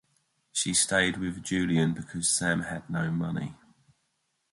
She stayed with Julian because Sam had no money.